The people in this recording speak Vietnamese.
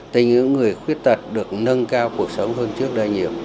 từ những người khuyết tật được nâng cao cuộc sống hơn trước đây nhiều